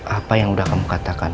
apa yang sudah kamu katakan